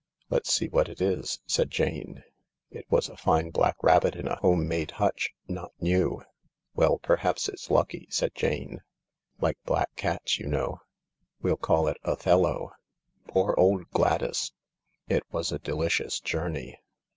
"Let's see what it is," said Jane. It was a fine black rabbit in a home made hutch, not new. " Well, perhaps it's lucky," said Jane ;" like black cats, you know. We'll call it Othello. Poor old Gladys !" It was a delicious journey.